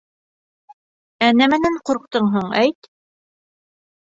Ә нәмәнән ҡурҡтың һуң әйт?